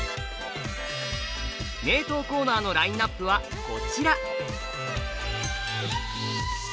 名刀コーナーのラインナップはこちら。